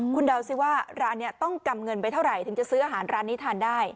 คุณเดาสิว่าร้านนี้ต้องกำเงินไปเท่าไหร่ถึงจะซื้ออาหารร้านนี้ทานได้